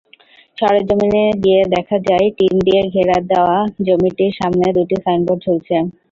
সরেজমিনে গিয়ে দেখা যায়, টিন দিয়ে ঘেরা দেওয়া জমিটির সামনে দুটি সাইনবোর্ড ঝুলছে।